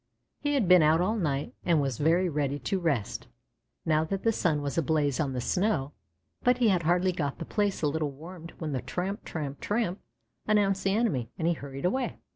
He had been out all night and was very ready to rest, now that the sun was ablaze on the snow; but he had hardly got the place a little warmed when the "tramp, tramp, tramp" announced the enemy, and he hurried away.